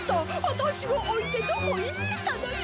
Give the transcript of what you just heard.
私を置いてどこ行ってたのよ！？